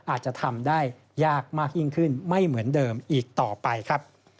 อาจจะทำได้ยากมากยิ่งขึ้นไม่เหมือนเดิมอีกต่อไปครับ